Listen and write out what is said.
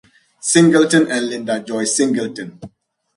Singleton and Linda Joy Singleton.